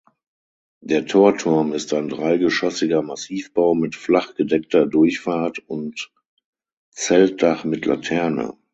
Der Torturm ist ein dreigeschossiger Massivbau mit flachgedeckter Durchfahrt und Zeltdach mit Laterne.